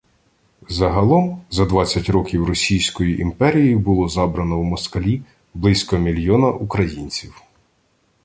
Загалом за двадцять років Російською імперією було «забрано в москалі» близько мільйона українців!